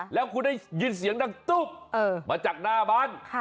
แล้วคุณได้ยินเสียงดังตุ๊บมาจากหน้าบ้าน